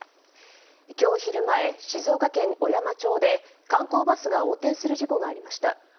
今日昼前、静岡県小山町で観光バスが横転する事故がありました。